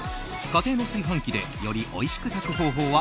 家庭の炊飯器でよりおいしく炊く方法は